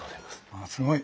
あっすごい。